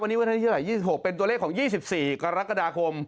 วันที่๒๖เป็นตัวเลขของ๒๔กรกฎาคม